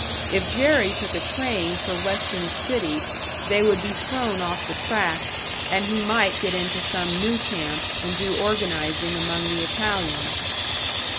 If Jerry took a train for Western City, they would be thrown off the track, and he might get into some new camp and do organising among the Italians.